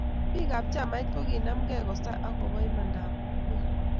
Biik ab chamait kokinemke kosai akobo imanda ab kokwet